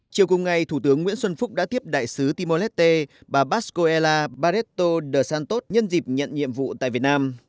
chiều cùng ngày thủ tướng nguyễn xuân phúc đã tiếp đại sứ timor leste bà bascowla barreto de santot nhân dịp nhận nhiệm vụ tại việt nam